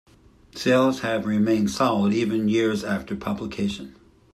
Sales have remained solid, even years after publication.